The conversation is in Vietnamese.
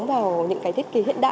vào những cái thiết kế hiện đại